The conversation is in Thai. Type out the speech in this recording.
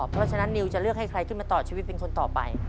เพราะฉะนั้นนิวจะเลือกให้ใครขึ้นมาต่อชีวิตเป็นคนต่อไป